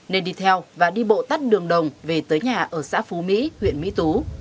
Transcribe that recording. nên đi theo và đi bộ tắt đường đồng về tới nhà ở xã phú mỹ huyện mỹ tú